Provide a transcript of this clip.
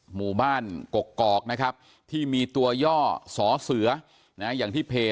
หมู่บ้านกรกกรอกนะครับที่มีตัวย่อสอเสือนะฮะ